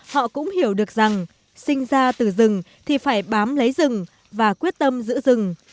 họ cũng hiểu được rằng sinh ra từ rừng thì phải bám lấy rừng và quyết tâm giữ rừng